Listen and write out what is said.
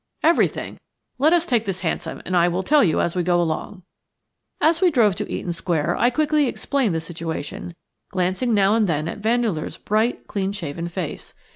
"Everything. Let us take this hansom, and I will tell you as we go along." As we drove to Eaton Square I quickly explained the situation, glancing now and then at Vandeleur's bright, clean shaven face.